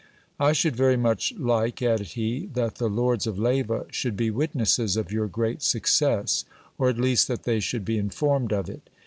I should very much like, added he, that the lords of Leyva should be witnesses of your great success, or at least that they should be informed of it.